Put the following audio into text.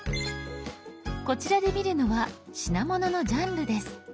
こちらで見るのは品物のジャンルです。